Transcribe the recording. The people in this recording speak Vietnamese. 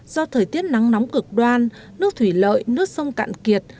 do thời tiết nắng nóng cực đoan nước thủy lợi nước sông cạn kiệt